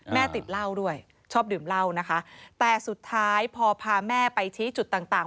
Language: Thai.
ติดเหล้าด้วยชอบดื่มเหล้านะคะแต่สุดท้ายพอพาแม่ไปชี้จุดต่างต่าง